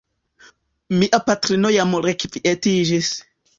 Mia patrino jam rekvietiĝis.